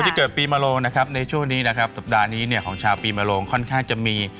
ที่เกิดปีมโลงนะครับในช่วงนี้นะครับสัปดาห์นี้เนี่ยของชาวปีมโลงค่อนข้างจะมี